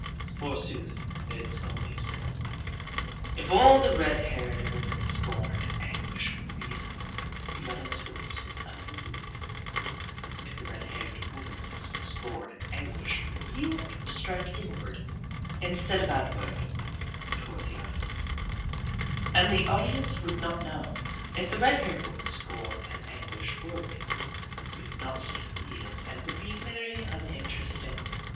Forsooth, it's always so. If all the red haired woman's scorn and anguish were real, the audience would sit unmoved. If the red haired woman's scorn and anguish were real it would strike inward instead of outward toward the audience and the audience would not know. If the red haired woman's scorn and anguish were real, it would not seem real and would be very uninteresting.